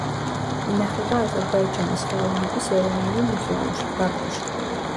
ინახება აზერბაიჯანის ხელოვნების ეროვნული მუზეუმში, ბაქოში.